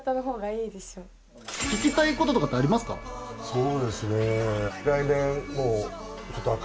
そうですね。